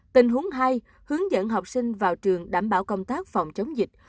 tình huống hai hướng dẫn học sinh vào trường đảm bảo công tác phòng chống dịch